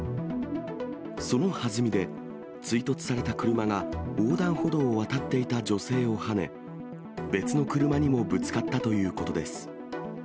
そのはずみで、追突された車が横断歩道を渡っていた女性をはね、別の車にもぶつかったということです。